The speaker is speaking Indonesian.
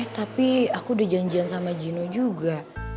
eh tapi aku udah janjian sama jino juga